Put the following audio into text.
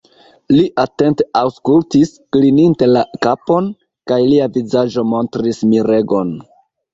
Li atente aŭskultis, klininte la kapon, kaj lia vizaĝo montris miregon.